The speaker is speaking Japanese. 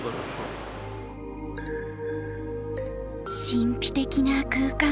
神秘的な空間。